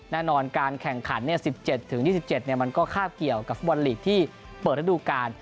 แน่นอนการแข่งขัน๑๗๒๗มันก็คาบเกี่ยวกับฟุตบอลลีกที่เปิดระดูการ